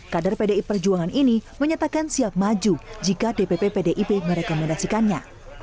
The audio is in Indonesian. kader pdi perjuangan ini menyatakan siap maju jika dpp pdip merekomendasikannya